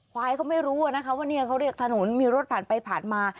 ควายเขาไม่รู้นะคะว่าเนี่ยเขาเรียกถนนมีรถผ่านไปผ่านมา